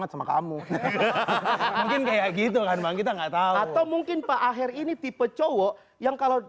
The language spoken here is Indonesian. sama kamu mungkin kayak gitu kan bang kita enggak tahu atau mungkin pak akhir ini tipe cowok yang kalau